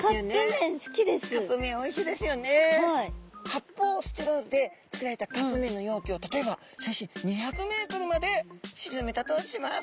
発泡スチロールで作られたカップめんの容器を例えば水深２００ｍまでしずめたとします。